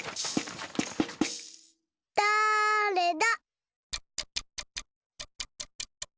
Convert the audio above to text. だれだ？